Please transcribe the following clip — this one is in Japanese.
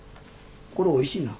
これおいしいな。